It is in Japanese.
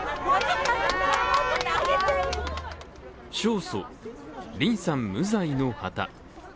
勝訴、リンさん無罪の旗。